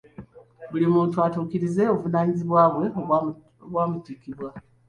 Buli muntu atuukirize obuvunaanyizibwa obwamutikkibwa.